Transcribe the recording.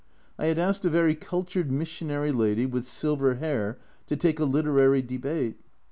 I had asked a very cultured missionary lady, with silver hair, to take a literary debate.